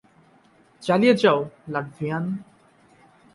চালিয়ে যাও, লাটভিয়ান!